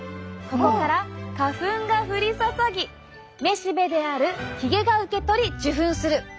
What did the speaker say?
ここから花粉が降り注ぎめしべであるヒゲが受け取り受粉する。